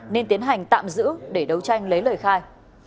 nên tiến hành tạm giữ để đấu tranh lấy lời khai